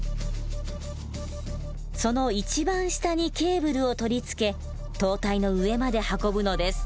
その一番下にケーブルを取り付け塔体の上まで運ぶのです。